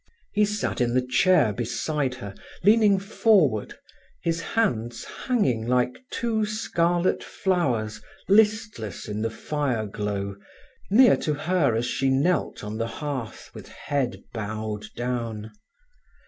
He sat in the chair beside her, leaning forward, his hands hanging like two scarlet flowers listless in the fire glow, near to her, as she knelt on the hearth, with head bowed down.